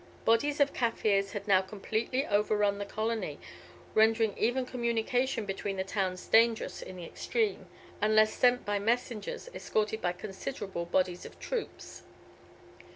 Bodies of Kaffirs had now completely overrun the colony, rendering even communication between the towns dangerous in the extreme, unless sent by messengers escorted by considerable bodies of troops.